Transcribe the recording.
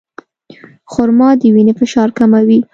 خرما د وینې فشار کموي.